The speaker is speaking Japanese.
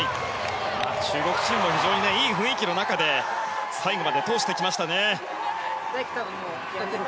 中国チームも非常にいい雰囲気の中で最後まで通してきましたね。